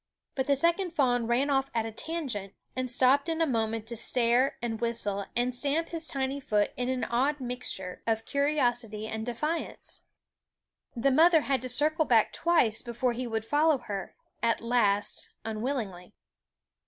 But the second fawn ran off at a tangent, and stopped in a moment to stare and whistle and stamp his tiny foot in an odd mixture of curiosity and defiance. SCHOOL Of The mother had to circle back twice before ^ e fll we d her, at last, unwillingly.